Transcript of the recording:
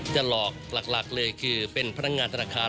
จะหลอกหลักเลยคือเป็นพนักงานธนาคาร